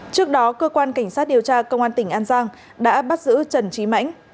trước đó cơ quan cảnh sát điều tra công an tỉnh an giang đã bắt giữ trần trí mãnh